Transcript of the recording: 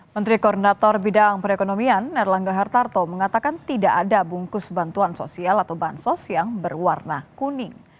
menteri koordinator bidang perekonomian erlangga hartarto mengatakan tidak ada bungkus bantuan sosial atau bansos yang berwarna kuning